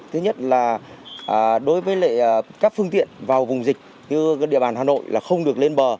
thứ nhất là đối với các phương tiện vào vùng dịch như địa bàn hà nội là không được lên bờ